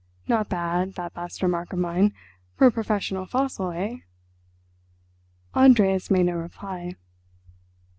Not bad—that last remark of mine—for a professional fossil, eh?" Andreas made no reply.